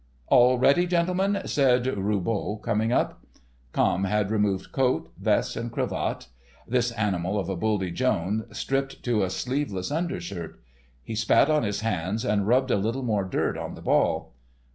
"All ready, gentlemen!" said Roubault, coming up. Camme had removed coat, vest, and cravat. "This Animal of a Buldy Jones" stripped to a sleeveless undershirt. He spat on his hands, and rubbed a little more dirt on the ball.